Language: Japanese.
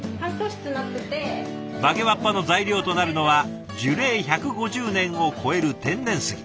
曲げわっぱの材料となるのは樹齢１５０年を超える天然杉。